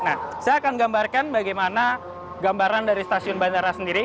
nah saya akan gambarkan bagaimana gambaran dari stasiun bandara sendiri